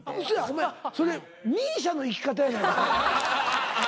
お前それＭＩＳＩＡの生き方やないか。